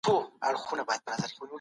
ولسي ملاتړ تر نظامي زور ډېر پياوړی دی.